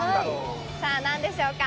さあ、何でしょうか。